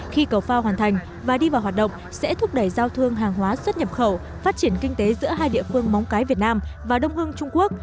khi cầu phao hoàn thành và đi vào hoạt động sẽ thúc đẩy giao thương hàng hóa xuất nhập khẩu phát triển kinh tế giữa hai địa phương móng cái việt nam và đông hưng trung quốc